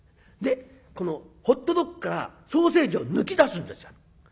でホットドッグからソーセージを抜き出すんですよ。